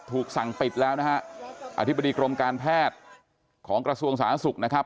ถูกสั่งปิดแล้วนะฮะอธิบดีกรมการแพทย์ของกระทรวงสาธารณสุขนะครับ